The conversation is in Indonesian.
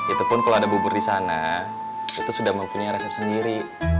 itu pun kalau ada bubur di sana itu sudah mempunyai resep sendiri